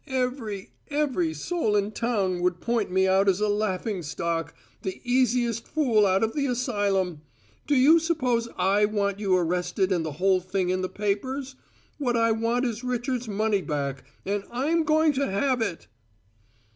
"Every every soul in town would point me out as a laughing stock the easiest fool out of the asylum! Do you suppose I want you arrested and the whole thing in the papers? What I want is Richard's money back, and I'm going to have it!"